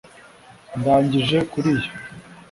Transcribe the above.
Ndangije kuriyo